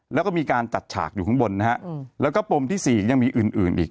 แล้วก็มีการจัดฉากอยู่ข้างบนนะฮะแล้วก็ปมที่สี่ยังมีอื่นอื่นอีก